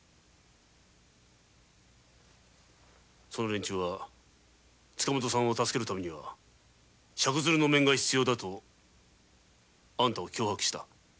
その連中は塚本さんを助けるためには赤鶴の面が必要だとあなたを脅迫した。